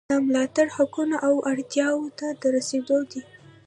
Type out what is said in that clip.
دا ملاتړ حقوقو او اړتیاوو ته د رسیدو دی.